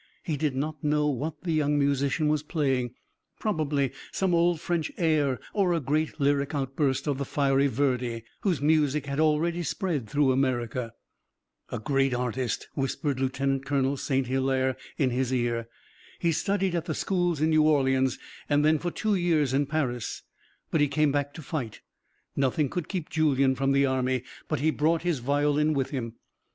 He did not know what the young musician was playing, probably some old French air or a great lyric outburst of the fiery Verdi, whose music had already spread through America. "A great artist," whispered Lieutenant Colonel St. Hilaire in his ear. "He studied at the schools in New Orleans and then for two years in Paris. But he came back to fight. Nothing could keep Julien from the army, but he brought his violin with him.